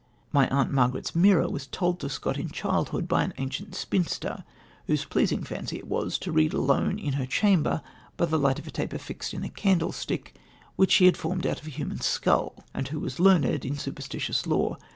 My Aunt Margaret's Mirror was told to Scott in childhood by an ancient spinster, whose pleasing fancy it was to read alone in her chamber by the light of a taper fixed in a candlestick which she had formed out of a human skull, and who was learned in superstitious lore.